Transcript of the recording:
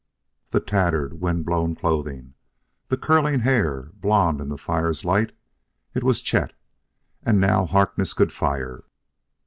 The tattered, wind blown clothing the curling hair, blond in the fire's light it was Chet.... And now Harkness could fire.